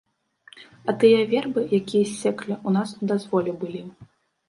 А тыя вербы, якія ссеклі, у нас у дазволе былі.